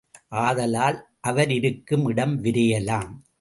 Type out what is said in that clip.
ஆதலால், அவர் இருக்கும் இடம் விரையலாம்.